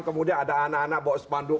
kemudian ada anak anak bawa sepanduk